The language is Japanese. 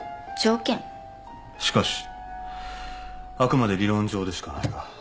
しかしあくまで理論上でしかないが。